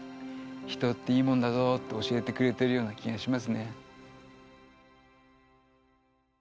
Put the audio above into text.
人っていいもんだぞって教えてくれてるような気がしますね。